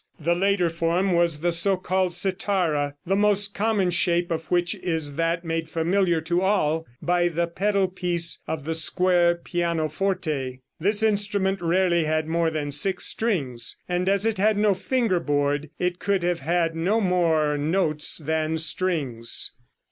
The later form was the so called cithara, the most common shape of which is that made familiar to all by the pedal piece of the square pianoforte. This instrument rarely had more than six strings, and as it had no finger board it could have had no more notes than strings.